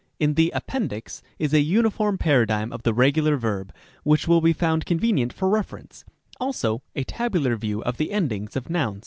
In the " Appendix" is a uniform paradigm of the regular verb, which will be found convenient for reference ; also a tabular view of the endings of nouns.